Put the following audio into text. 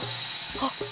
あっ。